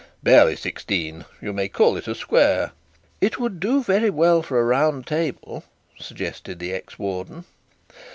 'Barely sixteen; you may call it a square.' 'It would do very well for a round table,' suggested the ex warden.